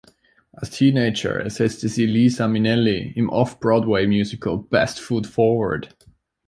Als Teenager ersetzte sie Liza Minnelli im Off-Broadway-Musical "Best Foot Forward".